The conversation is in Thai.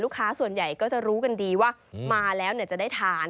ค้าส่วนใหญ่ก็จะรู้กันดีว่ามาแล้วจะได้ทาน